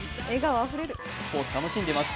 スポーツ、楽しんでます。